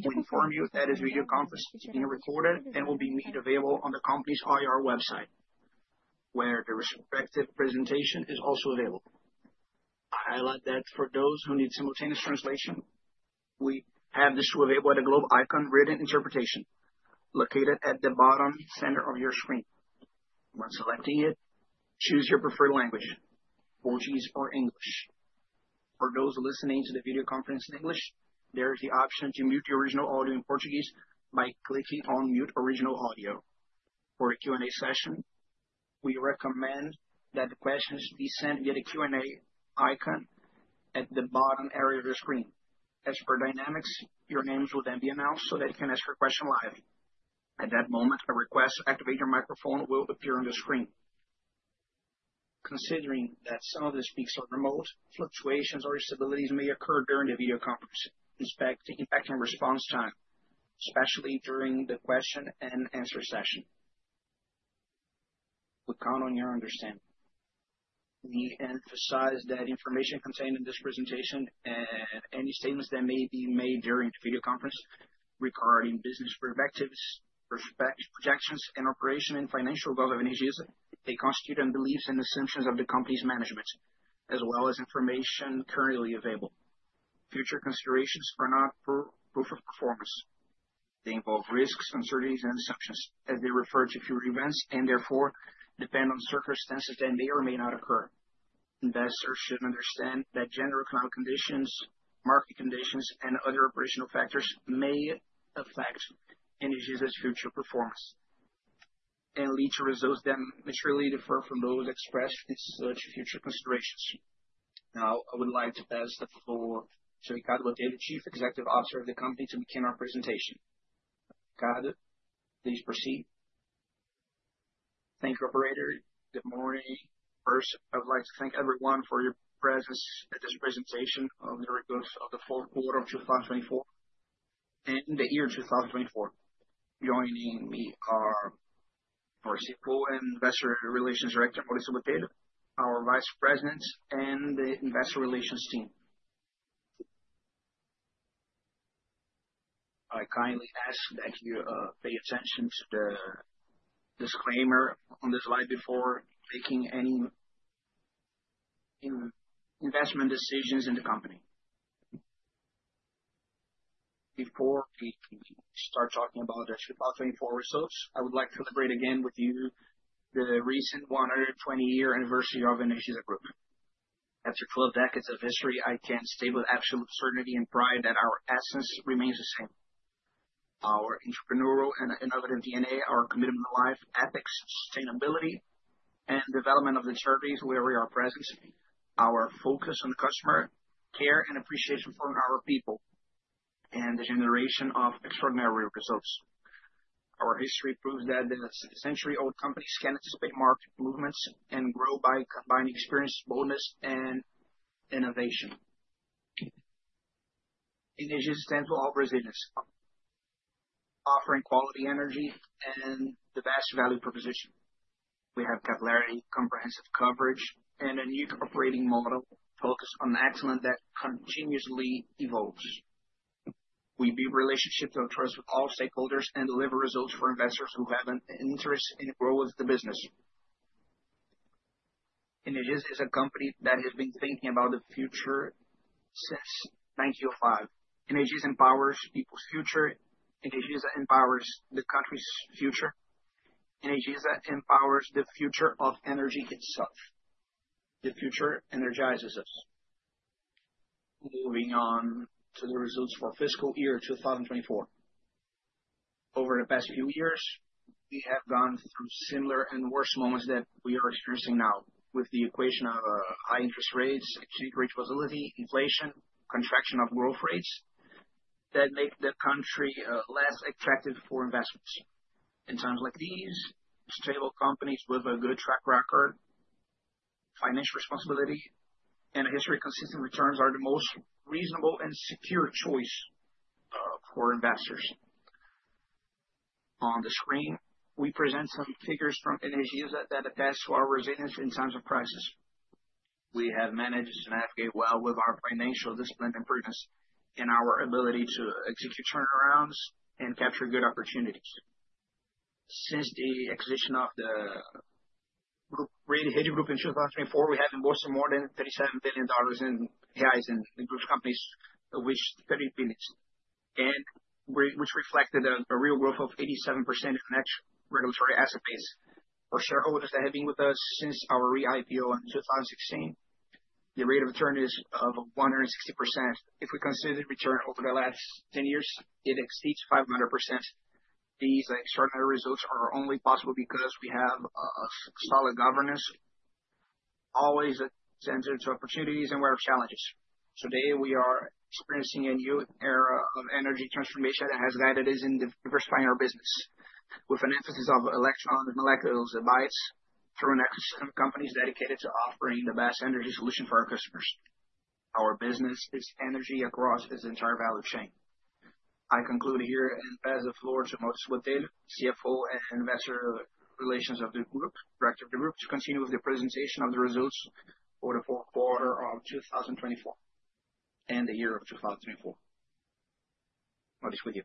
To confirm, you that this video conference is being recorded and will be made available on the company's IR website, where the respective presentation is also available. I fighlight that for those who need simultaneous translation, we have this tool available at the globe icon written interpretation, located at the bottom center of your screen. When selecting it, choose your preferred language: Portuguese or English. For those listening to the video conference in English, there is the option to mute the original audio in Portuguese by clicking on "Mute Original Audio." For a Q&A session, we recommend that the questions be sent via the Q&A icon at the bottom area of your screen. As per dynamics, your names will then be announced so that you can ask your question live. At that moment, a request to activate your microphone will appear on the screen. Considering that some of the speakers are remote, fluctuations or instabilities may occur during the video conference. Respect the impact and response time, especially during the question and answer session. We count on your understanding. We emphasize that information contained in this presentation and any statements that may be made during the video conference regarding business prospectives, projections, and operation and financial goals of Energisa, they constitute beliefs and assumptions of the company's management, as well as information currently available. Future considerations are not proof of performance. They involve risks, uncertainties, and assumptions, as they refer to future events and therefore depend on circumstances that may or may not occur. Investors should understand that general economic conditions, market conditions, and other operational factors may affect Energisa's future performance and lead to results that materially differ from those expressed in such future considerations. Now, I would like to pass the floor to Ricardo Botelho, Chief Executive Officer of the company, to begin our presentation. Ricardo, please proceed. Thank you, Operator. Good morning. First, I would like to thank everyone for your presence at this presentation on the record of the fourth quarter of 2024 and the year 2024. Joining me are our CFO and Investor Relations Director, Mauricio Botelho, our Vice President, and the Investor Relations Team. I kindly ask that you pay attention to the disclaimer on the slide before making any investment decisions in the company. Before we start talking about the 2024 results, I would like to celebrate again with you the recent 120-year anniversary of Energisa Group. After 12 decades of history, I can state with absolute certainty and pride that our essence remains the same. Our entrepreneurial and innovative DNA, our commitment to life, ethics, sustainability, and development of the territories where we are present, our focus on the customer, care and appreciation for our people, and the generation of extraordinary results. Our history proves that a century-old company can anticipate market movements and grow by combining experience, boldness, and innovation. Energisa stands for all Brazilians, offering quality energy and the best value proposition. We have capillarity, comprehensive coverage, and a new operating model focused on excellence that continuously evolves. We build relationships and trust with all stakeholders and deliver results for investors who have an interest in the growth of the business. Energisa is a company that has been thinking about the future since 1905. Energisa empowers people's future. Energisa empowers the country's future. Energisa empowers the future of energy itself. The future energizes us. Moving on to the results for fiscal year 2024. Over the past few years, we have gone through similar and worse moments that we are experiencing now with the equation of high interest rates, exchange rate volatility, inflation, contraction of growth rates that make the country less attractive for investments. In times like these, stable companies with a good track record, financial responsibility, and a history of consistent returns are the most reasonable and secure choice for investors. On the screen, we present some figures from Energisa that attest to our resilience in times of crisis. We have managed to navigate well with our financial discipline and prudence in our ability to execute turnarounds and capture good opportunities. Since the acquisition of the Energisa Group in 2024, we have invested more than $37 billion in Reais in the group's companies, of which $30 billion, which reflected a real growth of 87% in the next regulatory asset base. For shareholders that have been with us since our re-IPO in 2016, the rate of return is 160%. If we consider the return over the last 10 years, it exceeds 500%. These extraordinary results are only possible because we have solid governance, always attentive to opportunities and aware of challenges. Today, we are experiencing a new era of energy transformation that has guided us in diversifying our business with an emphasis on electrons, molecules, and bytes through an ecosystem of companies dedicated to offering the best energy solution for our customers. Our business is energy across its entire value chain. I conclude here and pass the floor to Mauricio Botelho, CFO and Investor Relations Director of the Group, to continue with the presentation of the results for the fourth quarter of 2024 and the year of 2024. Mauricio, you.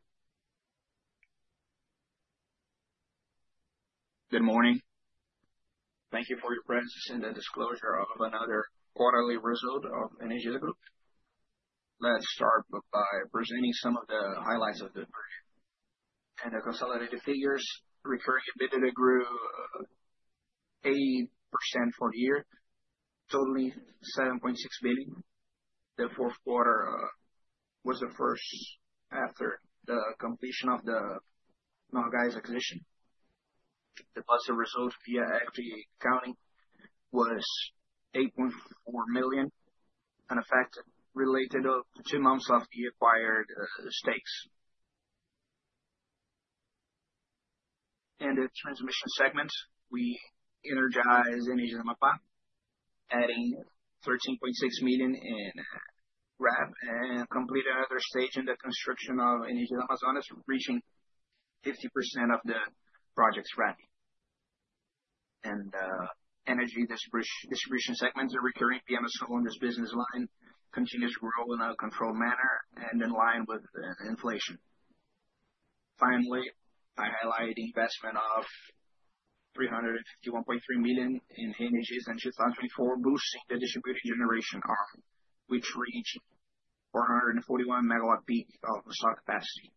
Good morning. Thank you for your presence in the disclosure of another quarterly result of Energisa Group. Let's start by presenting some of the highlights of the period. In the consolidated figures, recurring EBITDA grew 8% for the year, totaling 7.6 billion. The fourth quarter was the first after the completion of the Norgás acquisition. The positive result via equity accounting was 8.4 million, an effect related to two months of the acquired stakes. In the transmission segment, we energized Energisa Amapá, adding 13.6 million in RAP and completed another stage in the construction of Energisa Amazonas, reaching 50% of the project's RAP. In the energy distribution segment, the recurring PMSO on this business line continues to grow in a controlled manner and in line with inflation. Finally, I highlight the investment of 351.3 million in Energisa in 2024, boosting the distributed generation arm, which reached 441 megawatt-peak of stock capacity.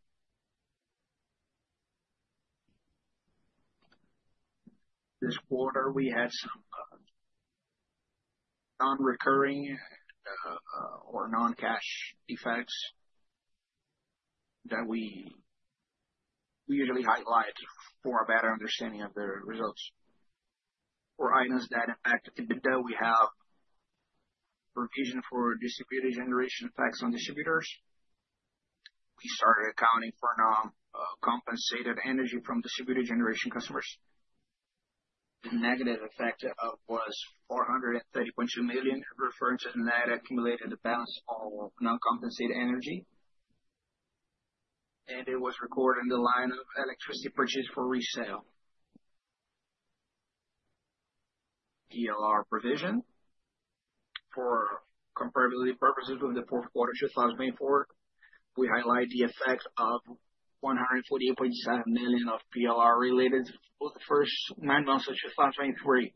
This quarter, we had some non-recurring or non-cash effects that we usually highlight for a better understanding of the results. For items that impact EBITDA, we have provision for distributed generation effects on distributors. We started accounting for non-compensated energy from distributed generation customers. The negative effect was 430.2 million, referring to the net accumulated balance of non-compensated energy, and it was recorded in the line of electricity purchase for resale. PLR provision. For comparability purposes with the fourth quarter of 2024, we highlight the effect of 148.7 million of PLR related for the first nine months of 2023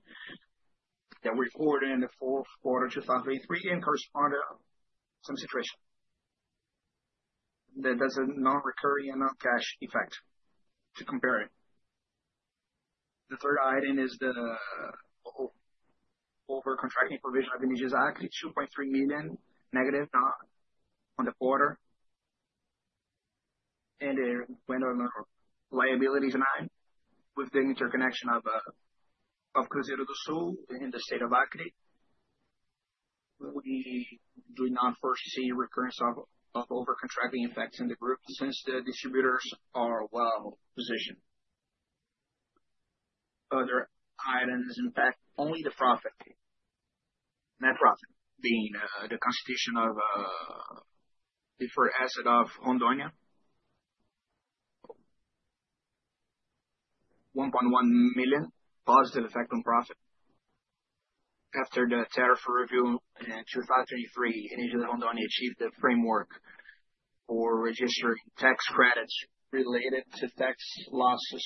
that were recorded in the fourth quarter of 2023 and correspond to some situation. That's a non-recurring and non-cash effect to compare it. The third item is the overcontracting provision of Energisa Acre, 2.3 million negative on the quarter, and the liabilities line with the interconnection of Cruzeiro do Sul in the state of Acre. We do not foresee recurrence of overcontracting effects in the group since the distributors are well-positioned. Other items, in fact, only the profit, net profit, being the constitution of deferred asset of Rondônia, 1.1 million, positive effect on profit. After the tariff review in 2023, Energisa Rondônia achieved the framework for registering tax credits related to tax losses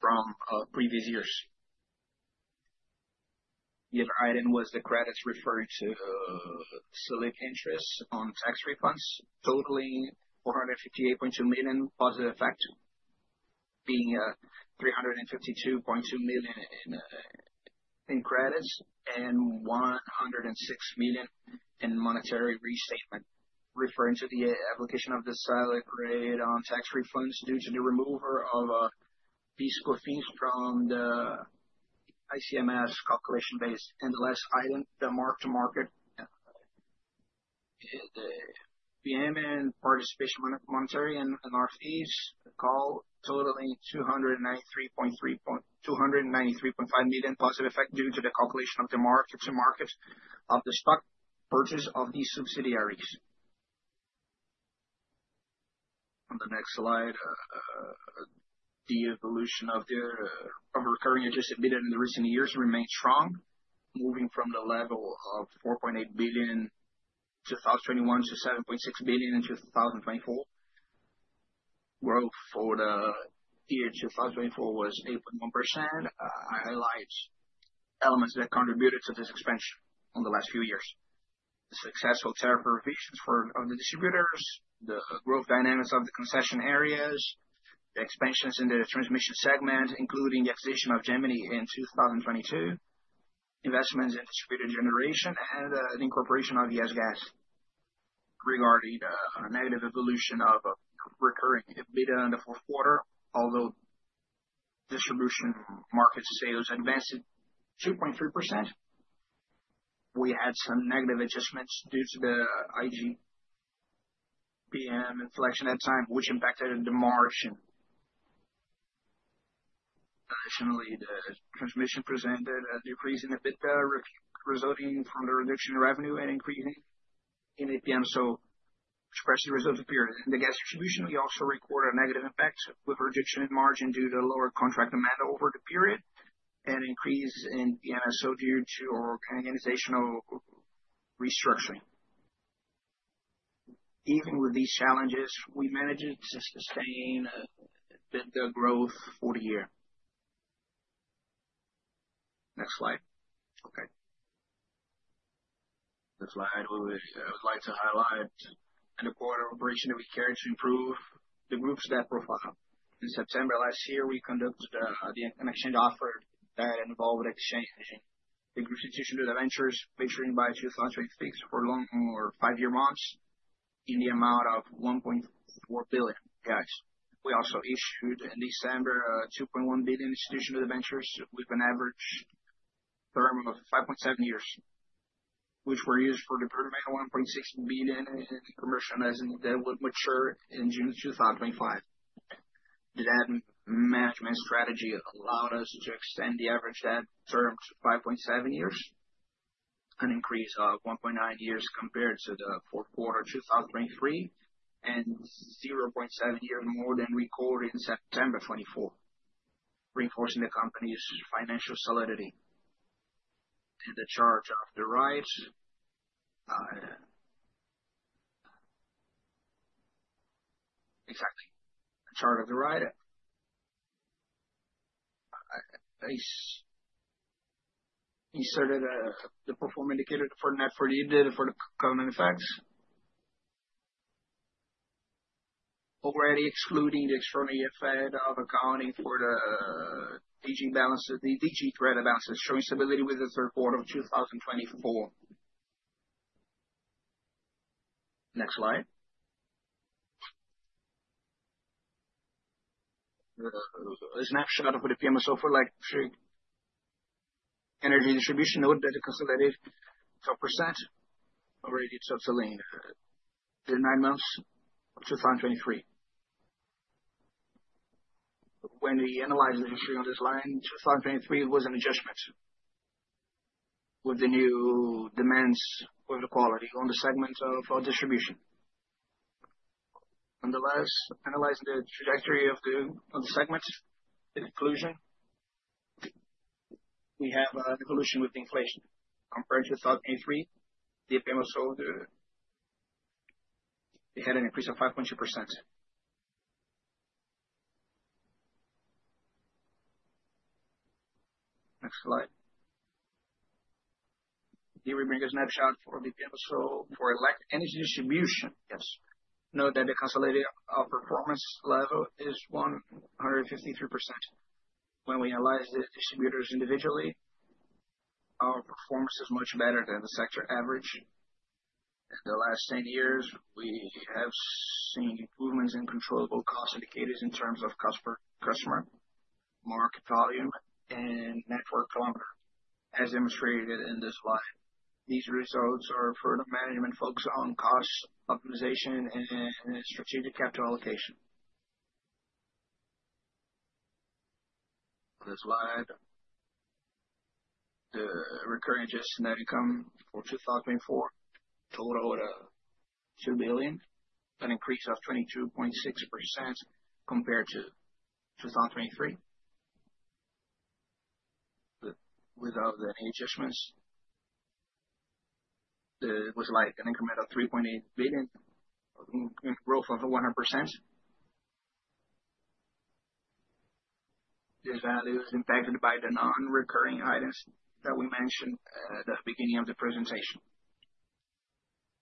from previous years. The other item was the credits referring to select interests on tax refunds, totaling 458.2 million, positive effect, being 352.2 million in credits and 106 million in monetary restatement, referring to the application of the Selic rate on tax refunds due to the removal of fiscal fees from the ICMS calculation base. The last item, the mark-to-market, is the PMN participation monetary and NR fees, totaling 293.5 million, positive effect due to the calculation of the mark-to-market of the stock purchase of these subsidiaries. On the next slide, the evolution of recurring interest EBITDA in the recent years remains strong, moving from the level of 4.8 billion in 2021 to 7.6 billion in 2024. Growth for the year 2024 was 8.1%. I highlight elements that contributed to this expansion in the last few years: successful tariff provisions for the distributors, the growth dynamics of the concession areas, the expansions in the transmission segment, including the acquisition of Gemini in 2022, investments in distributed generation, and the incorporation of Norgás. Regarding the negative evolution of recurring EBITDA in the fourth quarter, although distribution market sales advanced 2.3%, we had some negative adjustments due to the IGPM inflection at times, which impacted the margin. Additionally, the transmission presented a decrease in EBITDA resulting from the reduction in revenue and increase in IGPM, which stressed the resulting period. In the gas distribution, we also recorded a negative impact with a reduction in margin due to lower contract demand over the period and increase in PMSO due to organizational restructuring. Even with these challenges, we managed to sustain EBITDA growth for the year. Next slide. Okay. The slide I would like to highlight in the quarter operation that we carried to improve the group's debt profile. In September last year, we conducted an exchange offer that involved exchanging the institution to the ventures, venturing by 2026 for long or five-year bonds in the amount of $1.4 billion. We also issued in December $2.1 billion institutional ventures with an average term of 5.7 years, which were used for deferred amount of $1.6 billion in commercial leasing that would mature in June 2025. The debt management strategy allowed us to extend the average debt term to 5.7 years, an increase of 1.9 years compared to the fourth quarter of 2023 and 0.7 years more than recorded in September 2024, reinforcing the company's financial solidity. The charge of the right, exactly. The charge of the right, I inserted the perform indicator for net for the EBITDA for the common effects, already excluding the extraordinary effect of accounting for the DG balances, the DG thread balances, showing stability with the third quarter of 2024. Next slide. A snapshot of the PMSO for electric energy distribution note that consolidated 12%, already subsidying the nine months of 2023. When we analyze the history on this line, 2023 was an adjustment with the new demands of the quality on the segment of distribution. Nonetheless, analyzing the trajectory of the segment, the conclusion, we have an evolution with the inflation. Compared to 2023, the PMSO had an increase of 5.2%. Next slide. Here we bring a snapshot for the PMSO for electric energy distribution. Yes. Note that the consolidated performance level is 153%. When we analyze the distributors individually, our performance is much better than the sector average. In the last 10 years, we have seen improvements in controllable cost indicators in terms of customer market volume and network kilometer, as demonstrated in this slide. These results are for the management focus on cost optimization and strategic capital allocation. On the slide, the recurring adjusted net income for 2024 totaled 2 billion, an increase of 22.6% compared to 2023. Without any adjustments, it was like an increment of 3.8 billion, growth of 100%. This value is impacted by the non-recurring items that we mentioned at the beginning of the presentation.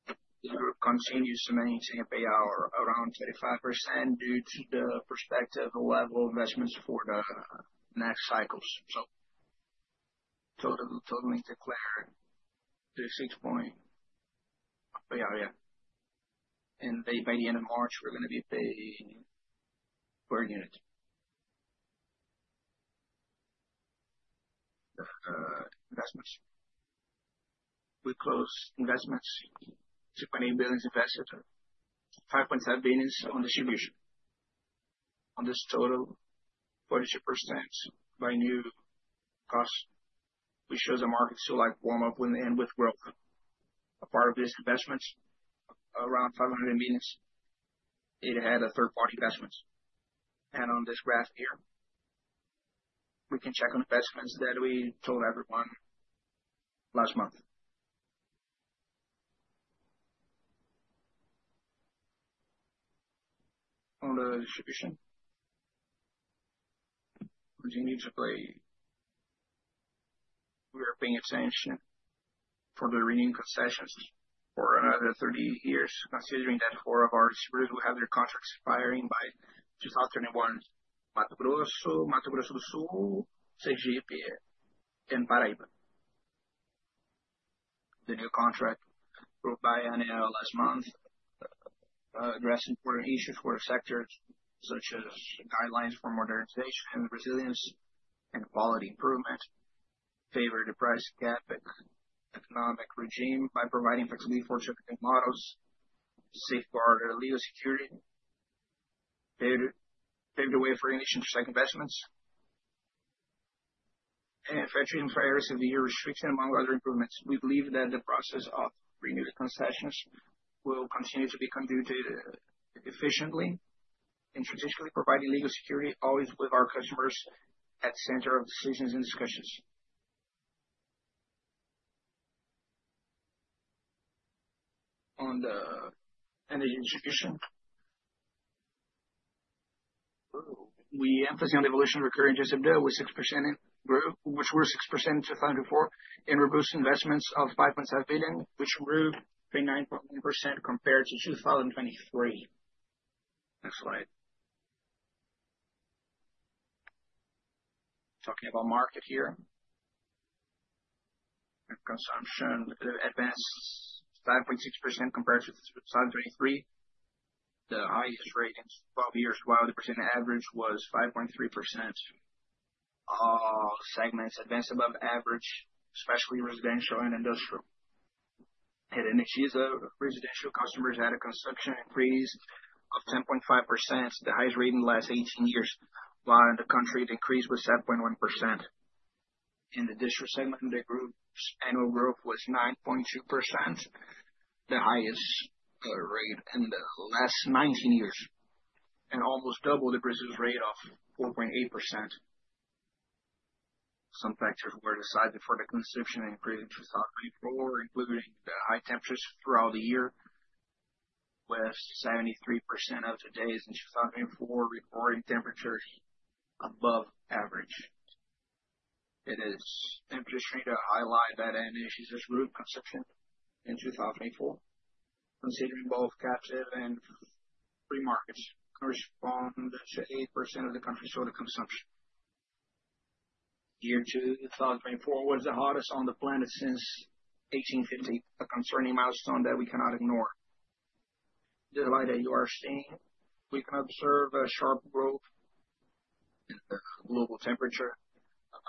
The group continues to maintain a payout around 35% due to the prospective level of investments for the next cycles. Totally declared 36. Yeah, yeah. By the end of March, we're going to be paying per unit. Investments. We closed investments, 2.8 billion invested, 5.7 billion on distribution. On this total, 42% by new cost. We show the market still like warm-up and with growth. A part of these investments, around 500 million, it had third-party investments. On this graph here, we can check on investments that we told everyone last month. On the distribution, continue to play European extension for the renewing concessions for another 30 years, considering that four of our distributors will have their contracts expiring by 2021. Mato Grosso, Mato Grosso do Sul, Energisa Sergipe, and Paraíba. The new contract approved by ANEEL last month addressed important issues for sectors such as guidelines for modernization and resilience and quality improvement, favored the Price Cap economic regime by providing flexibility for circulating models, safeguarded legal security, favored way for initial track investments, and factoring prior severe restrictions, among other improvements. We believe that the process of renewing concessions will continue to be conducted efficiently and strategically, providing legal security, always with our customers at the center of decisions and discussions. On the energy distribution, we emphasized the evolution of recurring interest EBITDA with 6%, which grew 6% in 2024, and reboosted investments of 5.7 billion, which grew 29.1% compared to 2023. Next slide. Talking about market here, consumption advanced 5.6% compared to 2023. The highest rate in 12 years, while the percent average was 5.3%, all segments advanced above average, especially residential and industrial. At initial residential customers had a consumption increase of 10.5%, the highest rate in the last 18 years, while in the country, it increased with 7.1%. In the district segment, the group's annual growth was 9.2%, the highest rate in the last 19 years, and almost doubled the previous rate of 4.8%. Some factors were decided for the consumption increase in 2024, including the high temperatures throughout the year, with 73% of the days in 2024 recording temperatures above average. It is interesting to highlight that energy is adjusted consumption in 2024, considering both captive and free markets correspond to 8% of the country's total consumption. Year 2024 was the hottest on the planet since 1850, a concerning milestone that we cannot ignore. Despite that, you are seeing we can observe a sharp growth in the global temperature,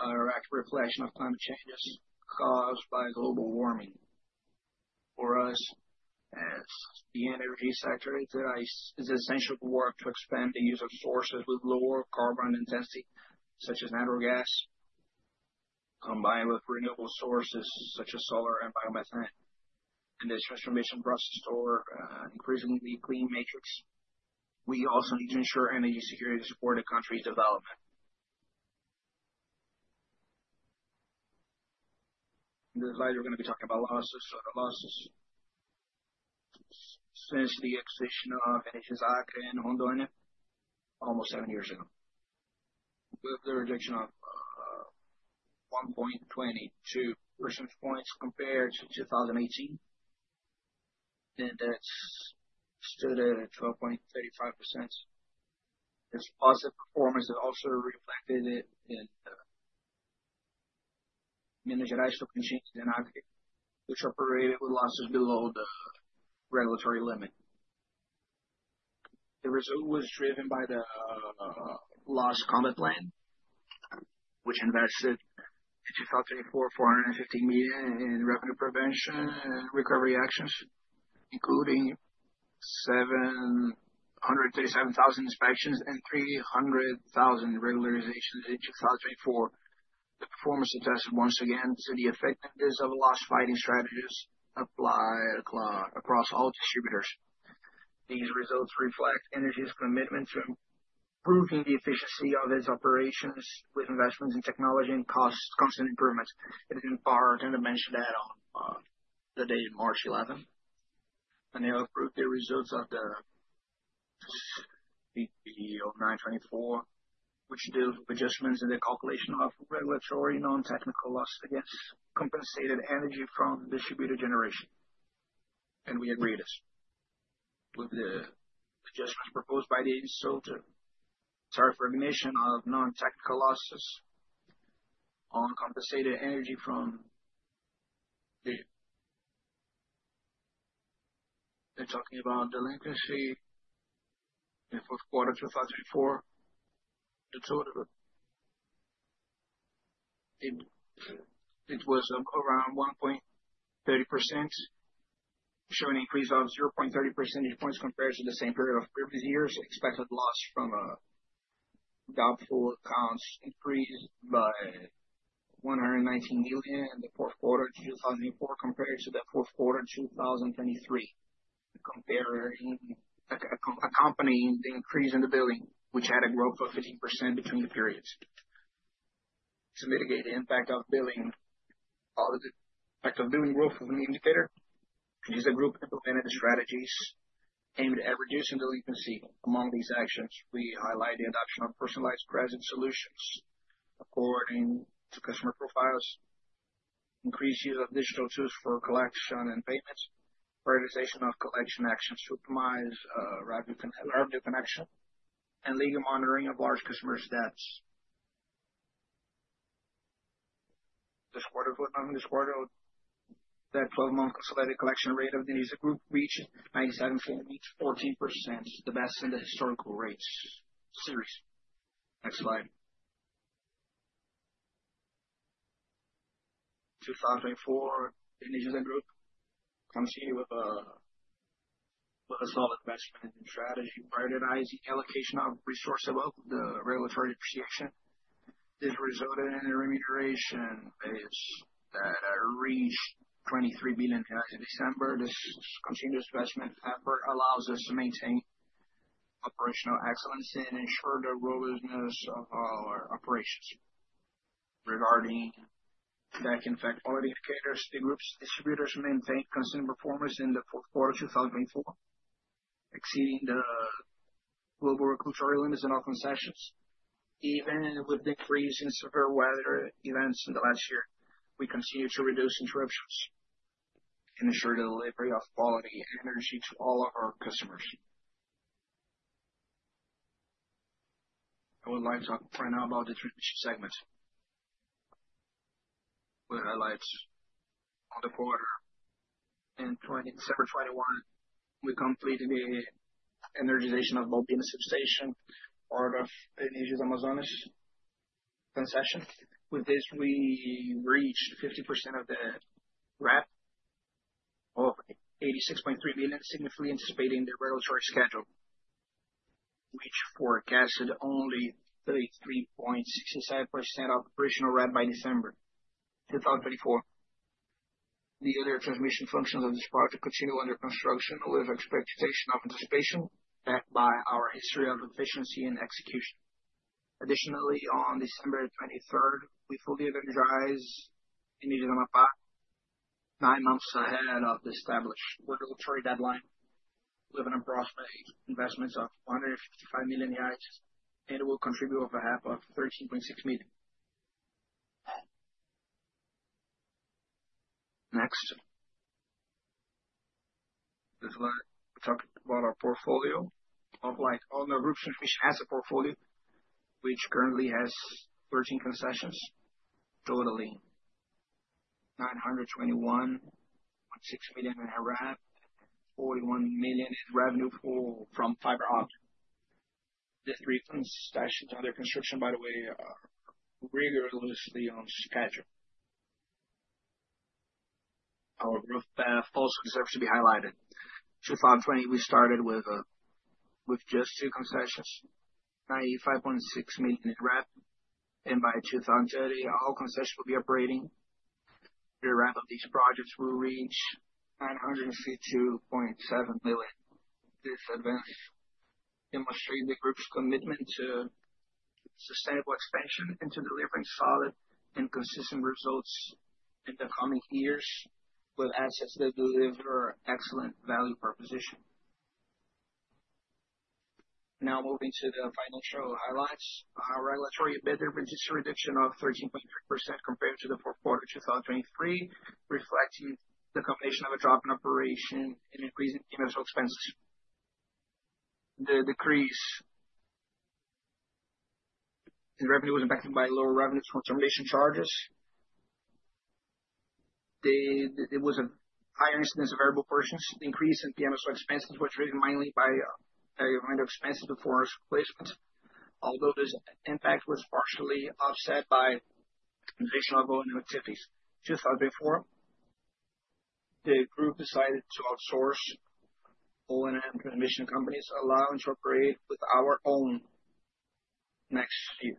a direct reflection of climate changes caused by global warming. For us, as the energy sector, it is essential to work to expand the use of sources with lower carbon intensity, such as natural gas, combined with renewable sources such as solar and biomethane, and the transformation process for increasingly clean matrix. We also need to ensure energy security to support the country's development. In this slide, we're going to be talking about losses, so the losses ince the acquisition of Energisa Acre and Rondônia, almost seven years ago, with the reduction of 1.22 percentage points compared to 2018, and that stood at 12.35%. This positive performance is also reflected in the managed rational consumers and aggregate, which operated with losses below the regulatory limit. The result was driven by the Loss Combat Plan, which invested in 2024, 450 million in revenue prevention and recovery actions, including 737,000 inspections and 300,000 regularizations in 2024. The performance attested once again to the effectiveness of loss-fighting strategies applied across all distributors. These results reflect Energisa's commitment to improving the efficiency of its operations with investments in technology and cost constant improvements. It is important to mention that on the date of March 11, ANEEL approved the results of the CP 09/24, which deals with adjustments in the calculation of regulatory non-technical loss against compensated energy from distributed generation. We agreed with the adjustments proposed by the consultant for elimination of non-technical losses on compensated energy from the. They're talking about delinquency in the fourth quarter of 2024. The total, it was around 1.30%, showing an increase of 0.30 percentage points compared to the same period of previous years. Expected loss from doubtful accounts increased by 119 million in the fourth quarter of 2024 compared to the fourth quarter of 2023, accompanying the increase in the billing, which had a growth of 15% between the periods. To mitigate the impact of billing, the impact of billing growth was an indicator. The group implemented the strategies aimed at reducing delinquency. Among these actions, we highlight the adoption of personalized credit solutions according to customer profiles, increased use of digital tools for collection and payments, prioritization of collection actions to optimize revenue connection, and legal monitoring of large customer status. This quarter, that 12-month consolidated collection rate of the group reached 97.14%, the best in the historical rates series. Next slide. In 2024, the group comes here with a solid investment strategy, prioritizing the allocation of resources above the regulatory depreciation. This resulted in a remuneration base that reached 23 million in December. This continuous investment effort allows us to maintain operational excellence and ensure the robustness of our operations. Regarding that, in fact, all the indicators, the group's distributors maintained consumer performance in the fourth quarter of 2024, exceeding the global recruiting limits and all concessions. Even with the increase in severe weather events in the last year, we continue to reduce interruptions and ensure the delivery of quality energy to all of our customers. I would like to talk right now about the transmission segment. We highlight in the quarter that in December 21, we completed the energization of Maués substation, part of the initial Amazonas concession. With this, we reached 50% of the RAB of 86.3 million, significantly anticipating the regulatory schedule, which forecasted only 33.67% of operational RAB by December 2024. The other transmission functions of this project continue under construction with expectation of anticipation backed by our history of efficiency and execution. Additionally, on December 23, we fully energized Energisa Amapá, nine months ahead of the established regulatory deadline. We have an approximate investment of 155 million and will contribute over half of 13.6 million. Next. This slide, we talked about our portfolio. Like all the group's transmission has a portfolio, which currently has 13 concessions, totaling 921.6 million in RAB and 41 million in revenue from fiber optic. The three concessions under construction, by the way, are rigorously on schedule. Our RAB path also deserves to be highlighted. In 2020, we started with just two concessions, 95.6 million in RAB, and by 2030, all concessions will be operating. The RAB of these projects will reach 952.7 million. This advance demonstrates the group's commitment to sustainable expansion and to delivering solid and consistent results in the coming years, with assets that deliver excellent value proposition. Now, moving to the financial highlights, our regulatory EBITDA reduced the reduction of 13.3% compared to the fourth quarter of 2023, reflecting the combination of a drop in operation and increasing financial expenses. The decrease in revenue was impacted by lower revenues from termination charges. It was a higher incidence of variable portions. The increase in PMSO expenses was driven mainly by variable expenses before replacements, although this impact was partially offset by additional volume activities. In 2024, the group decided to outsource owning and transmission companies, allowing to operate with our own next year,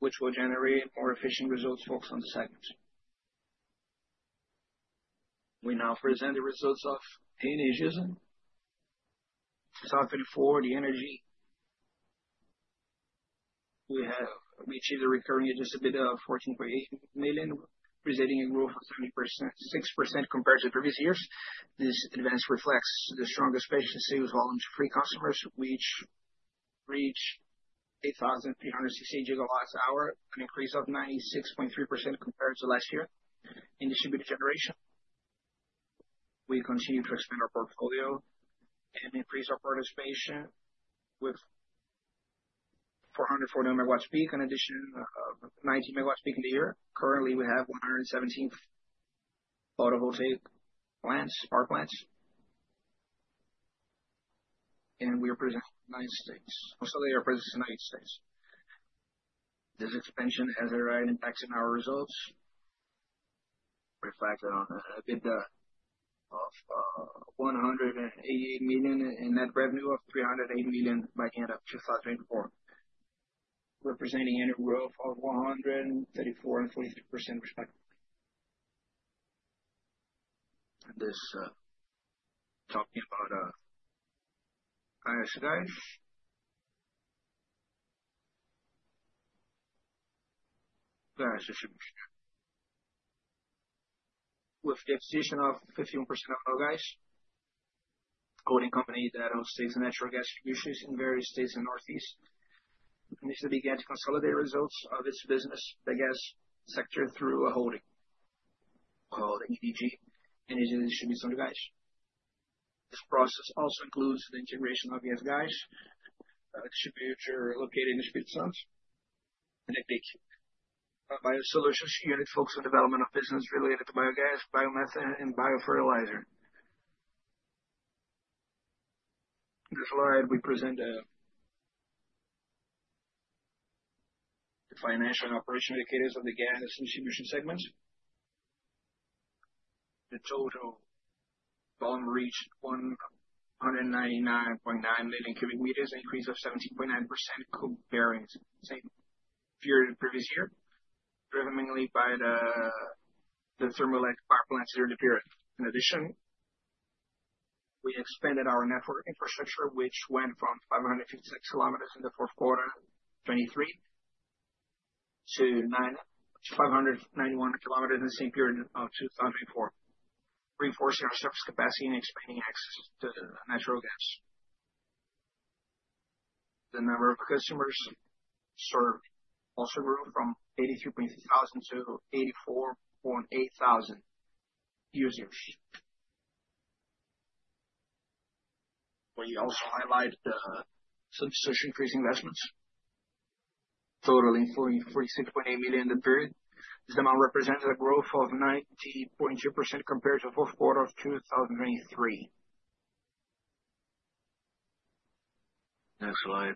which will generate more efficient results focused on the segments. We now present the results of Energisa. In 2024, the energy we have achieved a recurring agency bid of 14.8 million, presenting a growth of 76% compared to previous years. This advance reflects the strongest efficiency with volume to free customers, which reached 8,360 gigawatts an hour, an increase of 96.3% compared to last year. In distributed generation, we continue to expand our portfolio and increase our participation with 440 megawatts peak and addition of 19 megawatts peak in the year. Currently, we have 117 photovoltaic plants, power plants, and we are present in the United States. Also, they are present in the United States. This expansion has a right impact on our results, reflected on EBITDA of 188 million in net revenue of 308 million by the end of 2024, representing annual growth of 134% and 43% respectively. This talking about Norgás. With the acquisition of 51% of Norgás, holding company that owns states and natural gas distributions in various states and northeast, we need to begin to consolidate results of its business, the gas sector, through a holding called EDG Energy Distribution to Gás. This process also includes the integration of ES Gás Distributor located in the Espírito Santo Energy Biosolutions unit focused on development of business related to biogas, biomethane, and biofertilizer. This slide, we present the financial and operational indicators of the gas distribution segments. The total volume reached 199.9 million cubic meters, an increase of 17.9% comparing to the same period of previous year, driven mainly by the thermal power plants during the period. In addition, we expanded our network infrastructure, which went from 556 km in the fourth quarter of 2023 to 591 km in the same period of 2024, reinforcing our surface capacity and expanding access to natural gas. The number of customers served also grew from 83,300 to 84,800 users. We also highlighted the subscription increase investments, totaling 46.8 million in the period. This amount represented a growth of 90.2% compared to the fourth quarter of 2023. Next slide.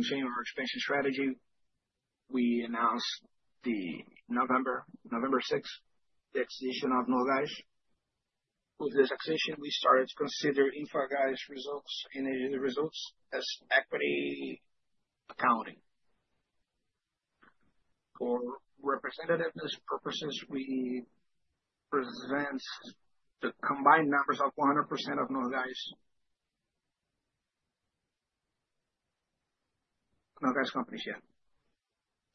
Continuing our expansion strategy, we announced on November 6th the acquisition of Norgás. With this acquisition, we started to consider Infra Gás results in energy results as equity accounting. For representativeness purposes, we present the combined numbers of 100% of Norgás companies yet.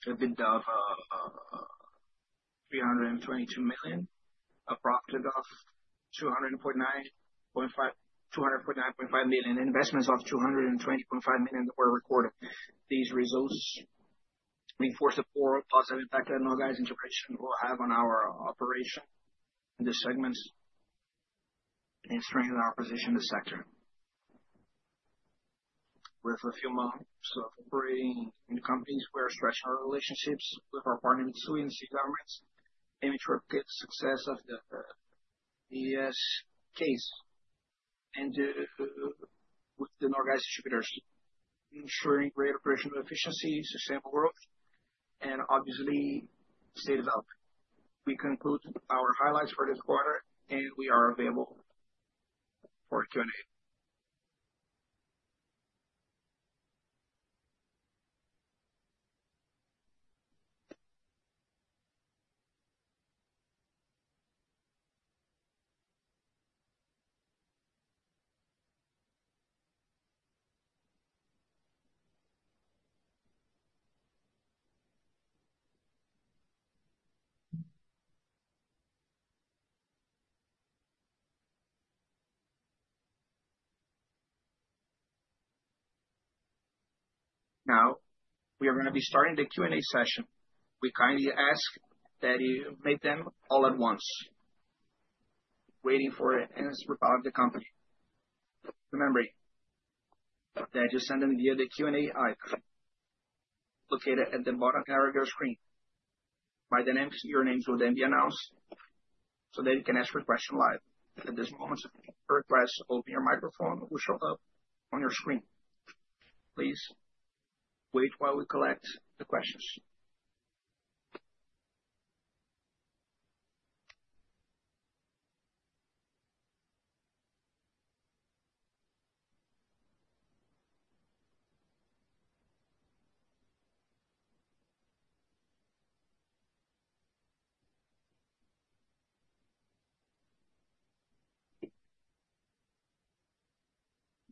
A bid of 322 million, a profit of 249.5 million, and investments of 220.5 million were recorded. These results reinforce the pure positive impact that Norgás integration will have on our operation in this segment and strengthen our position in the sector. With a few months of operating in the companies, we are stretching our relationships with our partners in the Sergipe and Sergipe governments, aiming to replicate the success of the ES case and with the Norgás distributors, ensuring great operational efficiency, sustainable growth, and obviously state development. We conclude our highlights for this quarter, and we are available for Q&A. Now, we are going to be starting the Q&A session. We kindly ask that you make them all at once, waiting for the answers about the company. Remember that you send them via the Q&A icon located at the bottom area of your screen. By the names, your names will then be announced so that you can ask your question live. At this moment, if you request to open your microphone, it will show up on your screen. Please wait while we collect the questions.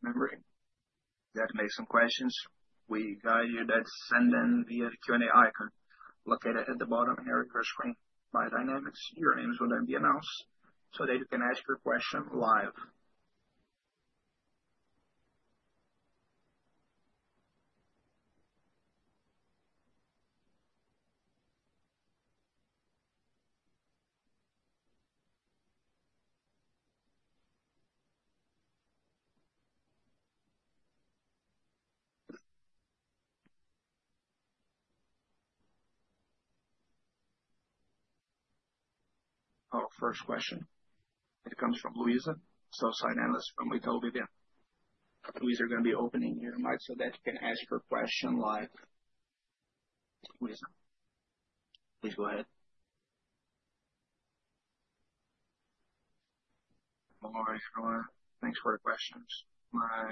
Remember that to make some questions, we guide you that send them via the Q&A icon located at the bottom area of your screen. By dynamics, your names will then be announced so that you can ask your question live. Our first question, it comes from Luisa, Sell-side Analyst from Itau BBA. Luisa is going to be opening your mic so that you can ask your question live. Luisa, please go ahead. Good morning, everyone. Thanks for the questions. My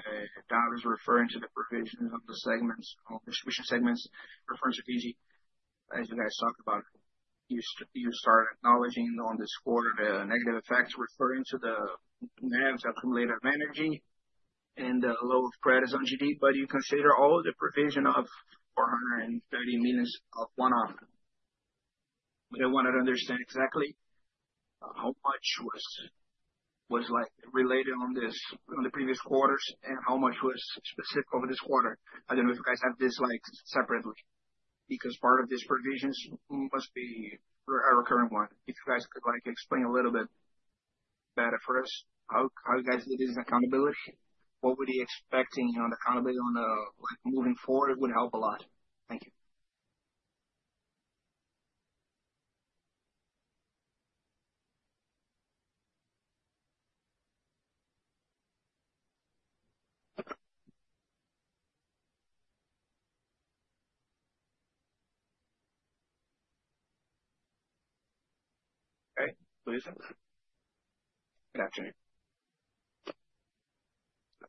doubt is referring to the provisions of the segments, distribution segments, reference to DFG. As you guys talked about, you started acknowledging on this quarter the negative effects referring to the demands of accumulative energy and the low of credit on GD, but you consider all the provision of 430 million of one-off. We want to understand exactly how much was related on this in the previous quarters and how much was specific over this quarter. I do not know if you guys have this separately because part of this provision must be a recurring one. If you guys could explain a little bit better for us how you guys did this accountability, what were they expecting on accountability moving forward, it would help a lot. Thank you. Okay, Luisa. Good afternoon.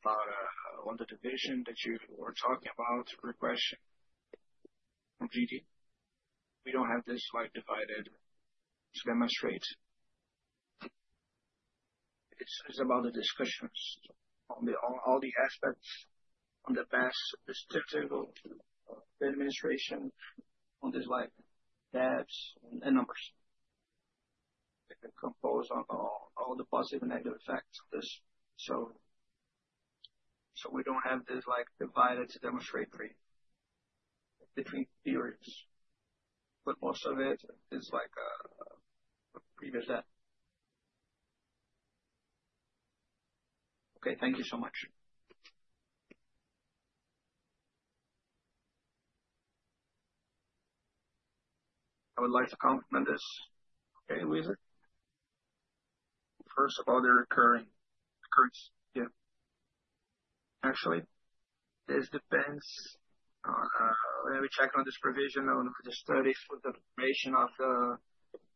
About the division that you were talking about, request from GD, we don't have this divided schema straight. It's about the discussions on all the aspects on the past statistical administration on these tabs and numbers that can compose on all the positive and negative effects of this. We don't have this divided to demonstrate between periods, but most of it is like a previous data. Okay, thank you so much. I would like to complement this. Okay, Luisa. First of all, the recurrence. Yeah. Actually, this depends on maybe checking on this provision on the studies for the information of the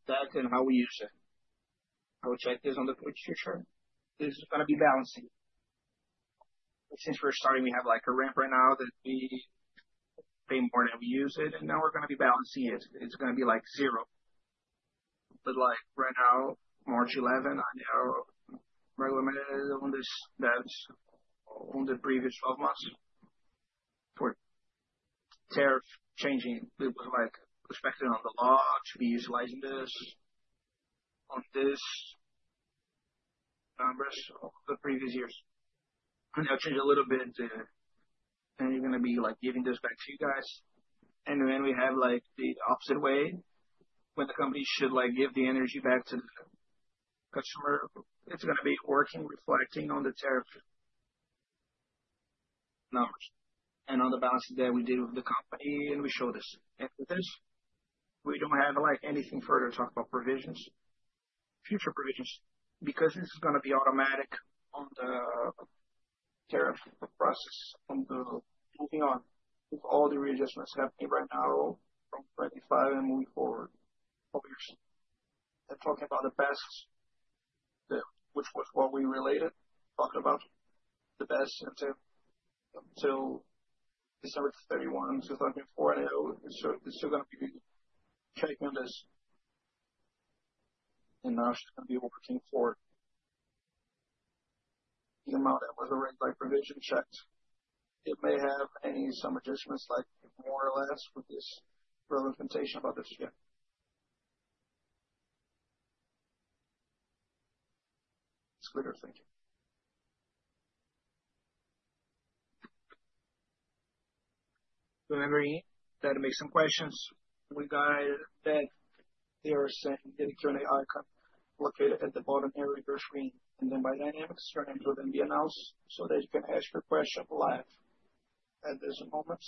data and how we use it. I will check this in the future. This is going to be balancing. Since we're starting, we have a ramp right now that we pay more than we use it, and now we're going to be balancing it. It's going to be like zero. Right now, March 11, I now recommend on this that on the previous 12 months for tariff changing, it was expected on the law to be utilizing this on these numbers of the previous years. Now change a little bit too. You're going to be giving this back to you guys. When we have the opposite way, when the company should give the energy back to the customer, it's going to be working, reflecting on the tariff numbers and on the balance that we did with the company, and we show this. With this, we do not have anything further to talk about provisions, future provisions, because this is going to be automatic on the tariff process from moving on with all the readjustments happening right now from 2025 and moving forward, four years. I am talking about the best, which was what we related, talking about the best until December 31, 2024. It is still going to be checking on this. Now she is going to be able to continue forward. The amount that was already provisioned, checked, it may have any adjustments like more or less with this implementation about this year. It is clear. Thank you. Remember that to make some questions, we guide that there is a Q&A icon located at the bottom area of your screen. By dynamics, your names will then be announced so that you can ask your question live at this moment.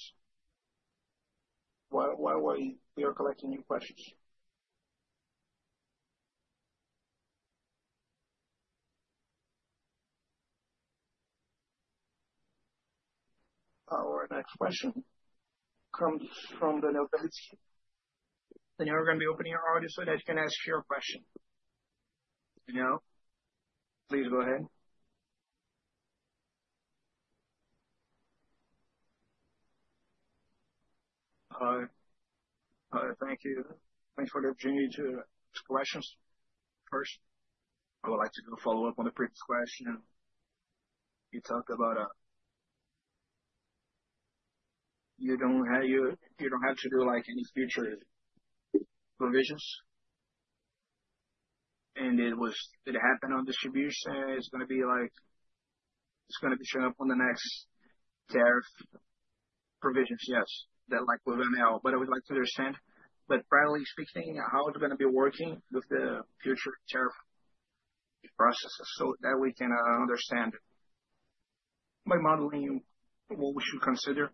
Why are we collecting your questions? Our next question comes from Daniel Federle. Now we're going to be opening your audio so that you can ask your question. Daniel, please go ahead. Thank you. Thanks for the opportunity to ask questions. First, I would like to do a follow-up on the previous question. You talked about you do not have to do any future provisions, and it happened on distribution. It is going to be like it is going to be showing up on the next tariff provisions, yes, that will be available. I would like to understand, but primarily speaking, how it is going to be working with the future tariff processes so that we can understand by modeling what we should consider.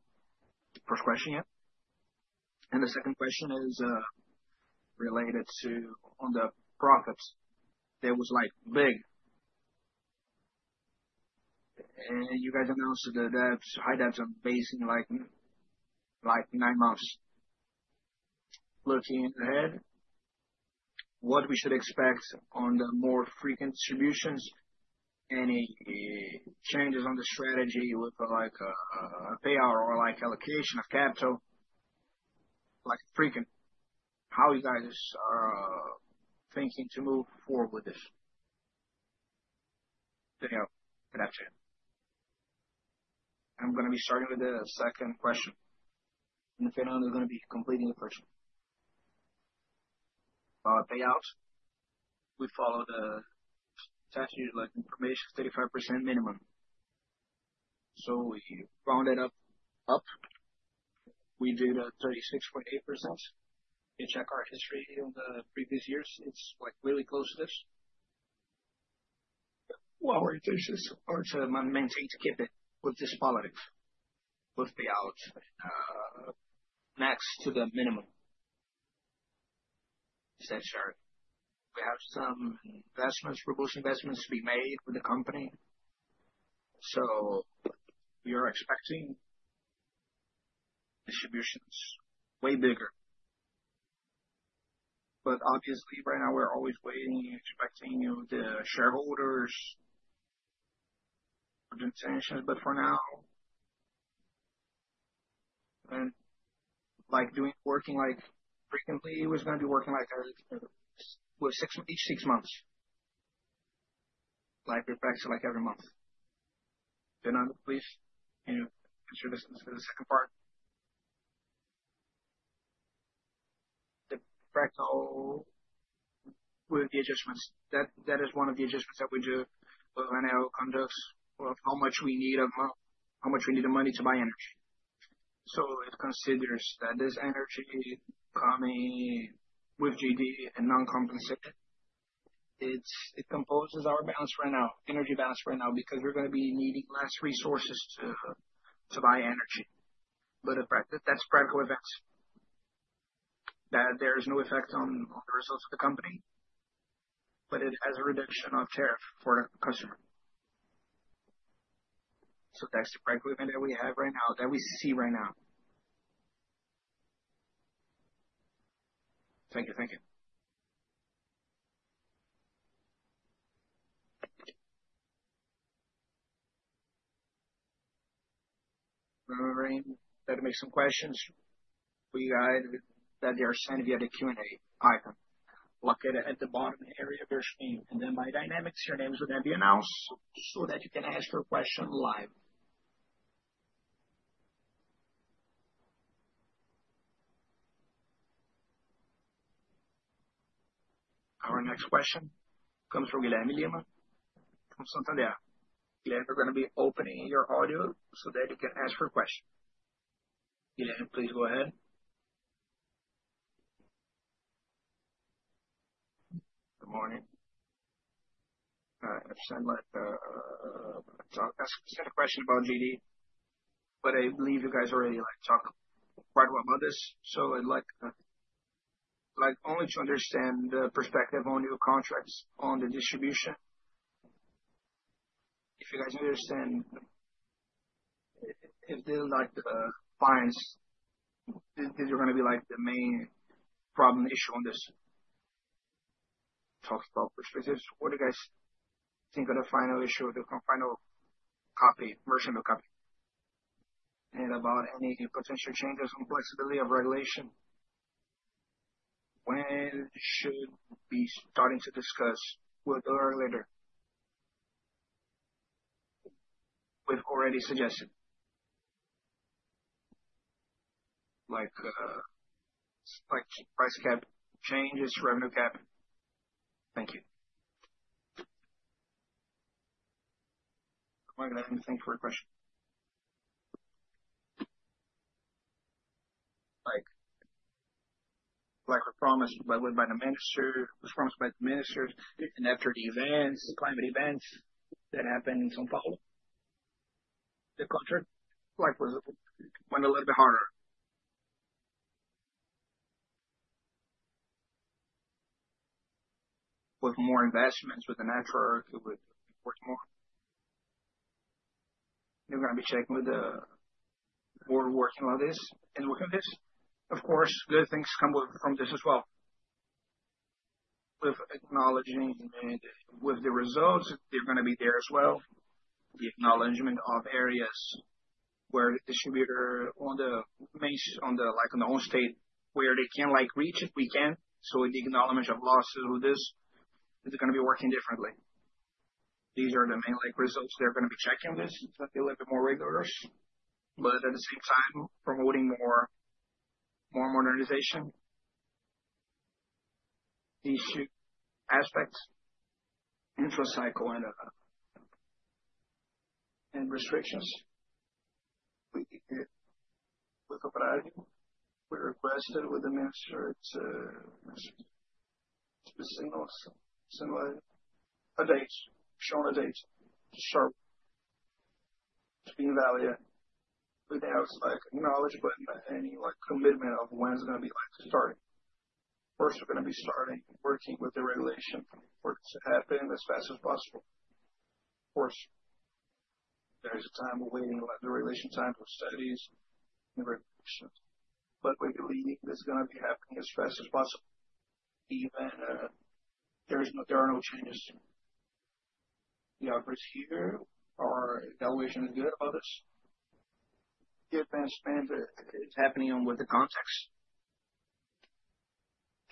First question, yeah. The second question is related to the profits. That was big, and you guys announced that high debts are basing like nine months. Looking ahead, what we should expect on the more frequent distributions, any changes on the strategy with a payout or allocation of capital, how you guys are thinking to move forward with this. Daniel, good afternoon. I'm going to be starting with the second question. Independently going to be completing the question. About payouts, we follow the statute of information 35% minimum. So we rounded up. We did a 36.8%. You check our history on the previous years. It's really close to this. What we're doing is we're trying to maintain to keep it with this politics, with payouts maxed to the minimum. We have some reverse investments to be made with the company. We are expecting distributions way bigger. Obviously, right now, we're always waiting and expecting the shareholders' intentions. For now, when working frequently, it was going to be working like every six months, like every month. Daniel, please answer this to the second part. The practical with the adjustments. That is one of the adjustments that we do with ANEEL conducts of how much we need of how much we need of money to buy energy. It considers that this energy coming with GD and non-compensated, it composes our balance right now, energy balance right now, because we're going to be needing less resources to buy energy. That's practical events. There is no effect on the results of the company, but it has a reduction of tariff for the customer. That's the practical event that we have right now, that we see right now. Thank you. Thank you. Remembering that to make some questions, we guide that they are sent via the Q&A icon located at the bottom area of your screen. By dynamics, your names will then be announced so that you can ask your question live. Our next question comes from Guilherme Lima from Santander. Guilherme, we're going to be opening your audio so that you can ask your question. Guilherme, please go ahead. Good morning. I'm going to ask a question about GD, but I believe you guys already talked quite a lot about this. I would like only to understand the perspective on your contracts on the distribution. If you guys understand, if they're like fines, these are going to be the main problem issue on this. Talked about perspectives. What do you guys think of the final issue, the final copy, version of the copy? About any potential changes on flexibility of regulation, when should we be starting to discuss with the regulator with already suggested? Like price cap changes, revenue cap. Thank you. Thank you for your question. Like we promised by the minister, was promised by the minister. After the events, climate events that happened in São Paulo, the contract went a little bit harder. With more investments with the natural earth, it would work more. You're going to be checking with the board working on this and working on this. Of course, good things come from this as well. With acknowledging with the results, they're going to be there as well. The acknowledgment of areas where the distributor on the main on the whole state where they can reach it, we can. The acknowledgment of losses with this, it's going to be working differently. These are the main results. They're going to be checking this, a little bit more regulators, but at the same time, promoting more modernization. These two aspects, info cycle and restrictions. With the priority, we requested with the minister to signal a date, show a date to show to being validated. We now acknowledge but any commitment of when it's going to be starting. First, we're going to be starting working with the regulation for it to happen as fast as possible. Of course, there is a time of waiting on the regulation time for studies and regulations. We believe it's going to be happening as fast as possible. Even there are no changes. The outputs here are evaluation is good about this. The advancement is happening with the context.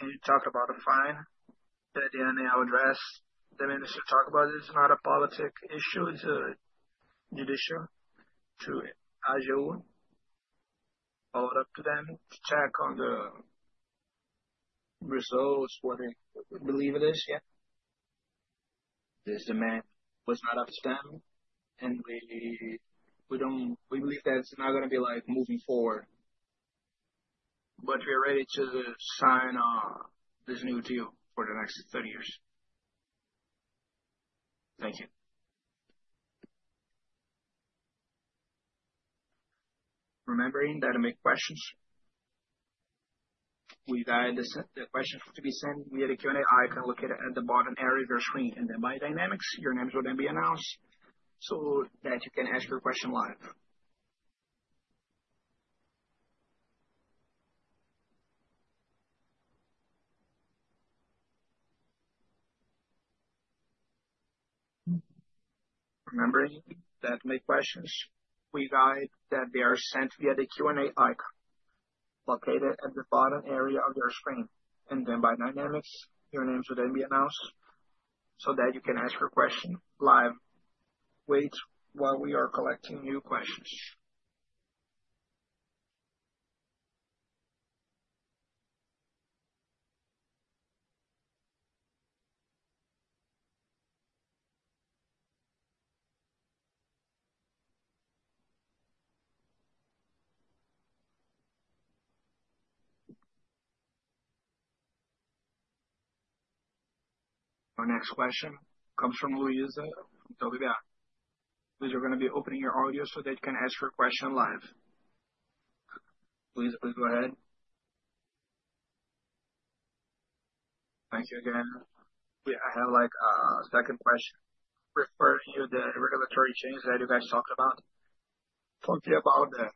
You talked about a fine that Daniel addressed. The minister talked about it. It's not a politic issue. It's a judicial. To AGU, followed up to them to check on the results where they believe it is, yeah. This demand was not understandable. We believe that it's not going to be moving forward. We are ready to sign this new deal for the next 30 years. Thank you. Remembering that to make questions, we guide the questions to be sent via the Q&A icon located at the bottom area of your screen. By dynamics, your names will then be announced so that you can ask your question live. Remembering that to make questions, we guide that they are sent via the Q&A icon located at the bottom area of your screen. By dynamics, your names will then be announced so that you can ask your question live. Wait while we are collecting new questions. Our next question comes from Luisa from Itau BBA. We are going to be opening your audio so that you can ask your question live. Please go ahead. Thank you again. Yeah, I have a second question referring to the regulatory change that you guys talked about. Talking about the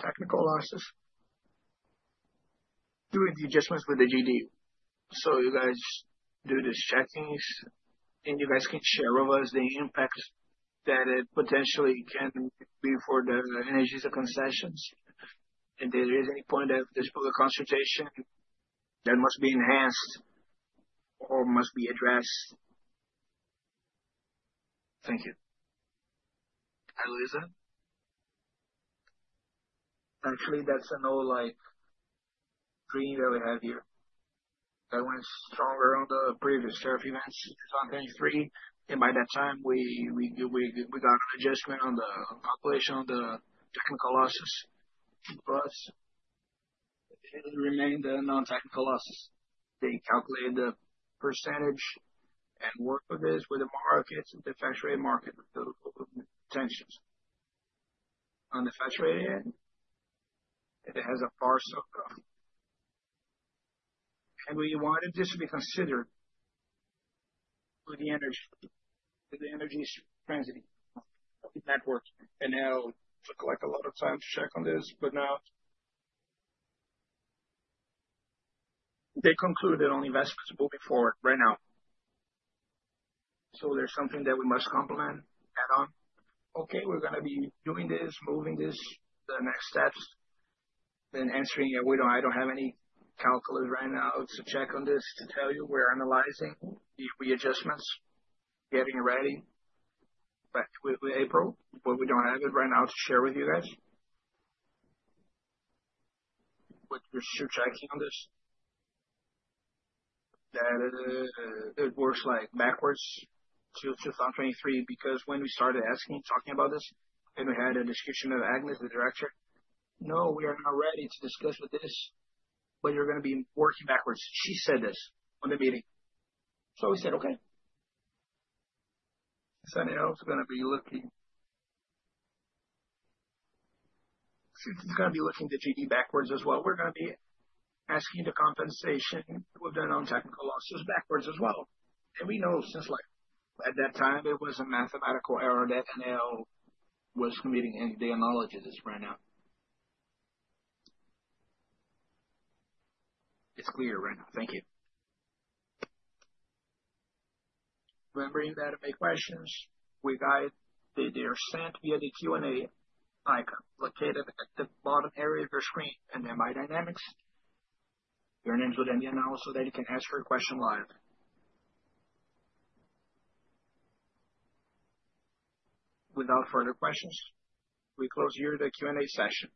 technical losses, doing the adjustments with the GD. You guys do these checkings, and you guys can share with us the impact that it potentially can be for the energy concessions. If there is any point that there's further consultation that must be enhanced or must be addressed. Thank you. Luisa? Actually, that's an old dream that we have here. That went stronger on the previous tariff events in 2023. By that time, we got an adjustment on the calculation of the technical losses. For us, it remained the non-technical losses. They calculated the percentage and worked with it with the markets, with the factory market tensions. On the factory end, it has a parcel of. We wanted this to be considered with the energy transiting network. It took a lot of time to check on this, but now they concluded on investments moving forward right now. There's something that we must complement, add on. Okay, we're going to be doing this, moving this, the next steps, then answering it. I don't have any calculus right now to check on this to tell you we're analyzing the adjustments, getting ready. With April, we don't have it right now to share with you guys. We're still checking on this. That it works backwards to 2023 because when we started asking, talking about this, and we had a discussion with Agnes, the director, "No, we are not ready to discuss with this, but you're going to be working backwards." She said this in the meeting. We said, "Okay." Now it is going to be looking, it is going to be looking the GD backwards as well. We are going to be asking the compensation with the non-technical losses backwards as well. We know since at that time, it was a mathematical error that ANEEL was committing and they acknowledged this right now. It is clear right now. Thank you. Remembering that to make questions, we guide that they are sent via the Q&A icon located at the bottom area of your screen. By dynamics, your names will then be announced so that you can ask your question live. Without further questions, we close here the Q&A session.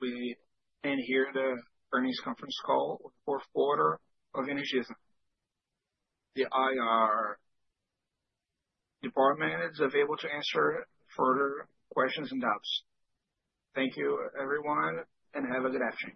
We end here the earnings conference call for the fourth quarter of Energisa. The IR department is available to answer further questions and doubts. Thank you, everyone, and have a good afternoon.